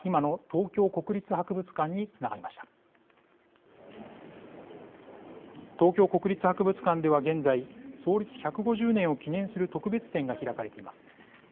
東京国立博物館では、現在創立１５０年を記念する特別展が開かれています。